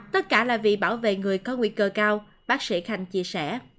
tất cả là vì bảo vệ người có nguy cơ cao bác sĩ khanh chia sẻ